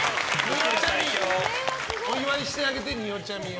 お祝いしてあげてによちゃみを。